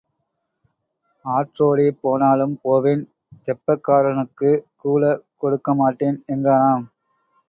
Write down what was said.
ஆற்றோடே போனாலும் போவேன் தெப்பக்காரனுக்குக் கூல கொடுக்க மாட்டேன் என்றானாம்,